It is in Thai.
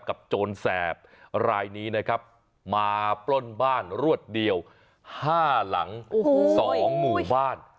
โจรแสบรายนี้นะครับมาปล้นบ้านรวดเดียว๕หลัง๒หมู่บ้าน